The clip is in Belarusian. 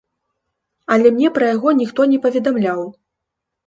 Але мне пра яго ніхто не паведамляў.